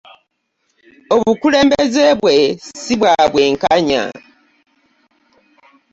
Obukulembeze bwe si bwa bwenkanya.